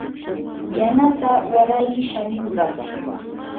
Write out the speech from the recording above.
yanasaa waraymi shamunqa.